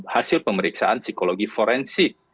hasil pemeriksaan psikologi forensik